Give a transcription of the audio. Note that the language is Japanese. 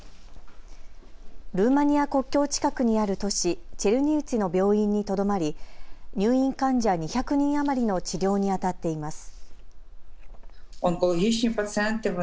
ルーマニア国境近くにある都市、チェルニウツィの病院にとどまり入院患者２００人余りの治療にあたっています。